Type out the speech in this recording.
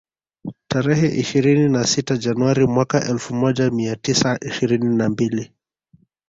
Tarehe ishirini na sita Januari mwaka elfu moja mia tisa ishirini na mbili